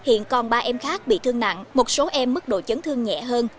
hiện còn ba em khác bị thương nặng một số em mức độ chấn thương nhẹ hơn